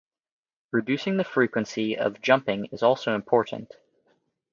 Reducing the frequency of jumping is also important.